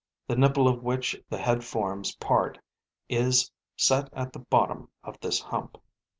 The nipple of which the head forms part is set at the bottom of this hump.